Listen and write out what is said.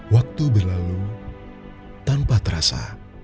waktu berlalu tanpa terasa